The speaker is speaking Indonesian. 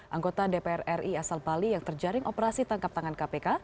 anggota dpr ri asal bali yang terjaring operasi tangkap tangan kpk